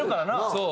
そう。